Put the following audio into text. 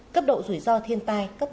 cấp độ rủi ro thiên tai cấp một